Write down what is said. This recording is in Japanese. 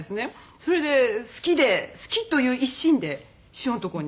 それで好きで好きという一心で師匠の所に。